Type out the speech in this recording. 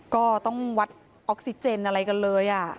ก็ต้องวัดออกซิเจนอะไรกันเลย